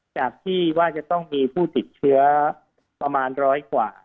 จากที่ว่าจะต้องมีผู้ติดเชื้อประมาณร้อยกว่า